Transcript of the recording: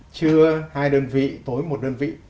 trưa hai đơn vị tối một đơn vị